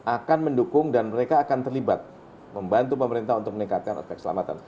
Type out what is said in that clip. akan mendukung dan mereka akan terlibat membantu pemerintah untuk meningkatkan aspek selamatan